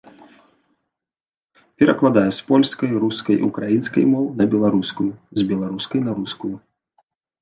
Перакладае з польскай, рускай, украінскай моў на беларускую, з беларускай на рускую.